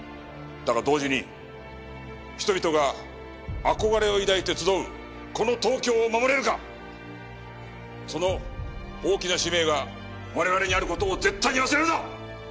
だが同時に人々が憧れを抱いて集うこの東京を守れるかその大きな使命が我々にある事を絶対に忘れるな！